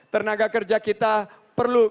tenaga kerja kita perlu